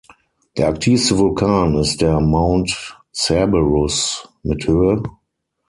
Der aktivste Vulkan ist der Mount Cerberus mit Höhe.